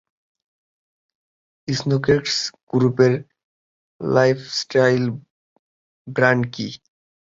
Snowtex group এর lifestyle brand কি?